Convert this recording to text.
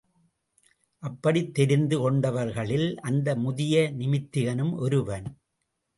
அப்படித் தெரிந்து கொண்டவர்களில் அந்த முதிய நிமித்திகனும் ஒருவன்.